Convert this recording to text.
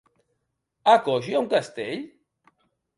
A Coix hi ha un castell?